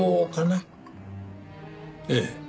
ええ。